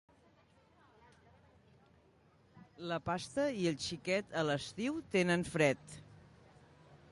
La pasta i el xiquet a l'estiu tenen fred.